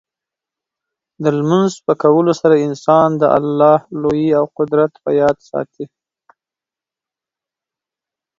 د لمونځ په کولو سره انسان د الله لویي او قدرت په یاد ساتي.